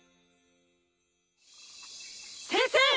先生！